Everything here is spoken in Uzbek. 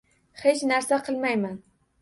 — Hech narsa qilmayman.